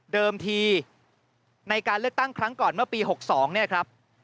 ทีในการเลือกตั้งครั้งก่อนเมื่อปี๖๒เนี่ยครับ